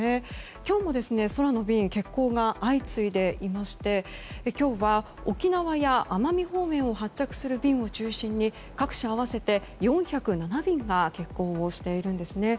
今日も、空の便で欠航が相次いでいて今日は沖縄や奄美方面を発着する便を中心に各社合わせて４０７便が欠航しているんですね。